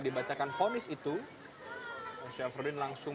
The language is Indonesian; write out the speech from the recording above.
dibacakan fonis itu syafruddin langsung